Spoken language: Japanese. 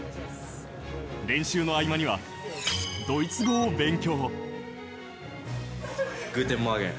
練習の合間にはドイツ語を勉強。